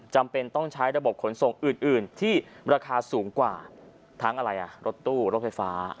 จำเป็นต้องใช้ระบบขนส่งอื่นที่ราคาสูงกว่าทั้งอะไรอ่ะรถตู้รถไฟฟ้า